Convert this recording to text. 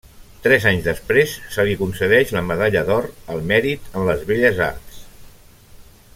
Tres anys després se li concedeix la Medalla d'Or al Mèrit en les Belles arts.